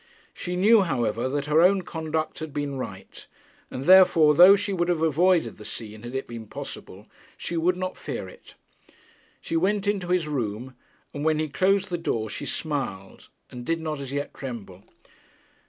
She knew, however, that her own conduct had been right; and therefore, though she would have avoided the scene, had it been possible, she would not fear it. She went into his room; and when he closed the door, she smiled, and did not as yet tremble.